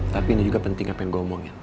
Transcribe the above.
tapi ini juga penting apa yang gue omongin